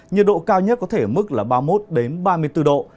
nhiệt độ cao nhất có thể ở mức ba mươi một đến ba mươi bốn độ